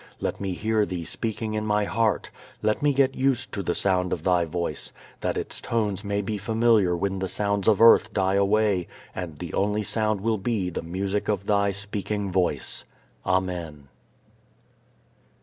Let me hear Thee speaking in my heart. Let me get used to the sound of Thy Voice, that its tones may be familiar when the sounds of earth die away and the only sound will be the music of Thy speaking Voice. Amen.